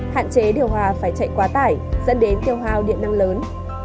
hạn chế điều hòa phải chạy quá tải dẫn đến tiêu hào điện năng lớn